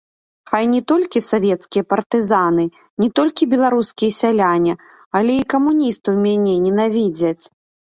Хай не толькі савецкія партызаны, не толькі беларускія сяляне, але і камуністы мяне ненавідзяць!